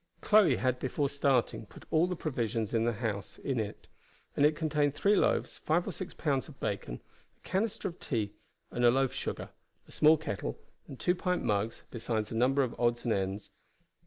Chloe had before starting put all the provisions in the house into it, and it contained three loaves, five or six pounds of bacon, a canister of tea and loaf sugar, a small kettle, and two pint mugs, besides a number of odds and ends.